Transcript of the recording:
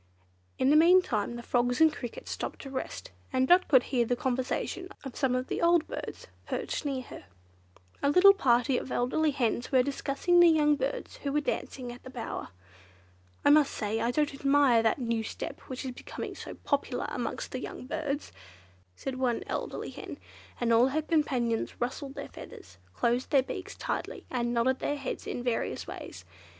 In the meantime the frogs and crickets stopped to rest, and Dot could hear the conversation of some of the old birds perched near her. A little party of elderly hens were discussing the young birds who were dancing at the bower. "I must say I don't admire that new step which is becoming so popular amongst the young birds," said one elderly hen; and all her companions rustled their feathers, closed their beaks tightly, and nodded their heads in various ways.